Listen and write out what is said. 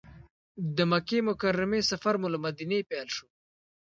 د مکې مکرمې سفر مو له مدینې پیل شو.